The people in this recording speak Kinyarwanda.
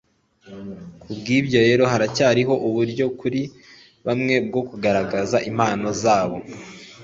ku bw ibyo rero harakiriho uburyo kuri bamwe bwo kugaragaza impano zabo